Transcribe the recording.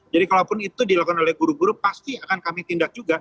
jadi kalau itu dilakukan oleh guru guru pasti akan kami tindak juga